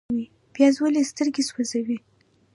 پیاز ولې سترګې سوځوي؟